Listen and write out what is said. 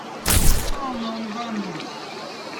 anõ on vanniz